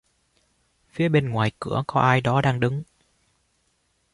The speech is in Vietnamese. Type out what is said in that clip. Phía bên ngoài cửa có ai đó đang đứng